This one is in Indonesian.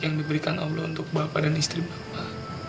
yang diberikan allah untuk bapak dan istri bapak